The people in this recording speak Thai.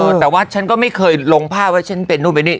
แต่ว่าฉันก็ไม่เคยลงภาพว่าฉันเป็นนู่นเป็นนี่